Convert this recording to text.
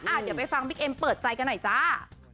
เดี๋ยวไปฟังบิ๊กเอ็มเปิดใจกันหน่อยจ้า